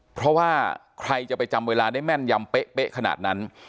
เพราะว่าใครจะไปจำเวลาได้แม่นยำเป๊ะขนาดนั้น